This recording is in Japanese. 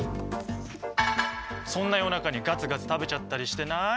そんな夜中にガツガツ食べちゃったりしてない？